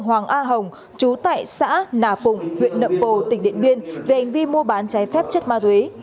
hoàng a hồng chú tại xã nà phùng huyện nậm pồ tỉnh điện biên về hành vi mua bán trái phép chất ma túy